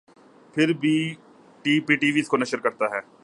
پھر P T V اس کو نشر کرتا ہے